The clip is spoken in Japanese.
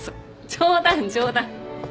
冗談冗談。